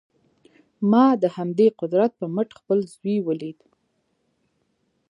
ما د همدې قدرت پر مټ خپل زوی وليد.